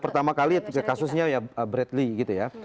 pertama kali kasusnya ya bradley gitu ya